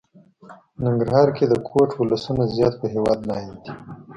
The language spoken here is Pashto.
ننګرهار کې د کوټ ولسونه زيات په هېواد ميئن دي.